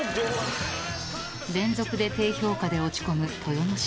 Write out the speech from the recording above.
［連続で低評価で落ち込む豊ノ島］